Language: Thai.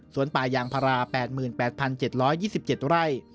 ส่วนป่ายางพารา๘๘๗๒๗ไร่